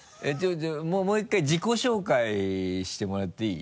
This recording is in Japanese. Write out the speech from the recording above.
もう一回自己紹介してもらっていい？